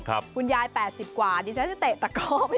คุณยาย๘๐กว่าดิฉันจะเตะตะก้อไม่โดนเลย